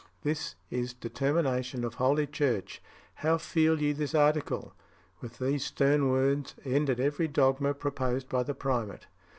"This is determination of Holy Church. How feel ye this article?" With these stern words ended every dogma proposed by the primate.